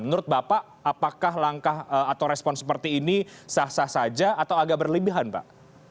menurut bapak apakah langkah atau respon seperti ini sah sah saja atau agak berlebihan pak